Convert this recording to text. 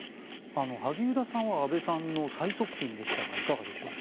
萩生田さんは安倍さんの最側近でしたがいかがでしょう。